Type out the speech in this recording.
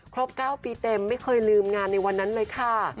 ๙ปีเต็มไม่เคยลืมงานในวันนั้นเลยค่ะ